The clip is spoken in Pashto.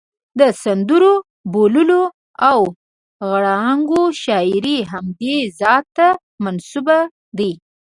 د سندرو، بوللو او غړانګو شاعري همدې ذات ته منسوب دي.